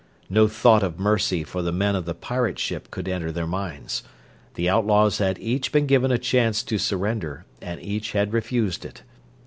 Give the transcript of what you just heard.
No thought of mercy for the men of the pirate ship could enter their minds. The outlaws had each been given a chance to surrender, and each had refused it.